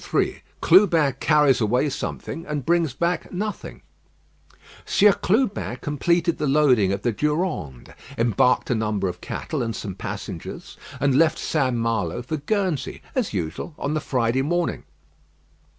III CLUBIN CARRIES AWAY SOMETHING AND BRINGS BACK NOTHING Sieur Clubin completed the loading of the Durande, embarked a number of cattle and some passengers, and left St. Malo for Guernsey, as usual, on the Friday morning.